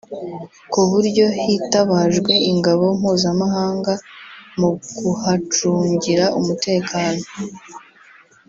ku buryo hitabajwe ingabo mpuzamahanga mu kuhacungira umutekano